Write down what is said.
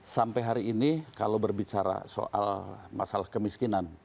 sampai hari ini kalau berbicara soal masalah kemiskinan